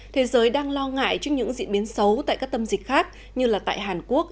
thế giới đang lo ngại trước những diễn biến xấu tại các tâm dịch khác như là tại hàn quốc